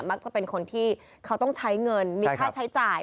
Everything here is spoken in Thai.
จะเป็นคนที่เขาต้องใช้เงินมีค่าใช้จ่าย